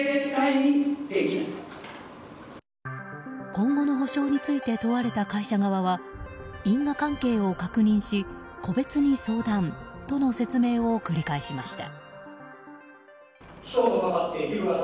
今後の補償について問われた会社側は因果関係を確認し個別に相談との説明を繰り返しました。